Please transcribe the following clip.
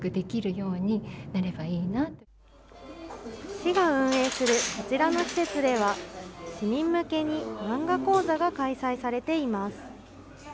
市が運営するこちらの施設では、市民向けに漫画講座が開催されています。